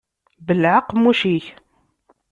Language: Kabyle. Belleɛ aqemmuc-ik.